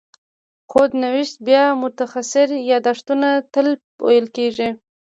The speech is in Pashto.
خود نوشت بیا مختصر یادښتونو ته ویل کېږي.